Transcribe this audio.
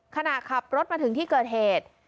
ขณะขับรถมาถึงที่เกิดเหตุ